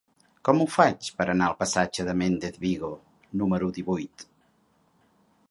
Com ho faig per anar al passatge de Méndez Vigo número divuit?